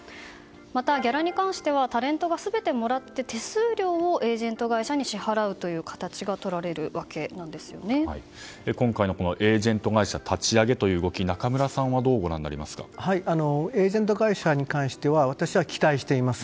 また、ギャラに関してはタレントが全てもらって手数料をエージェント会社に支払うという形が今回のエージェント会社立ち上げという動き中村さんはエージェント会社に関しては私は期待しています。